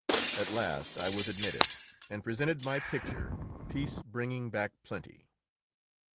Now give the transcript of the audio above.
At last I was admitted, and presented my picture "Peace Bringing Back Plenty."